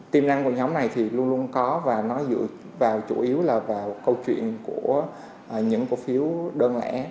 tiềm năng của nhóm này thì luôn luôn có và nó dựa vào chủ yếu là vào câu chuyện của những cổ phiếu đơn lẻ